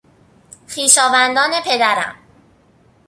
خویشاوندان پدرم